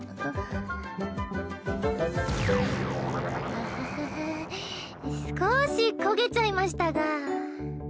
あはははっ少し焦げちゃいましたが。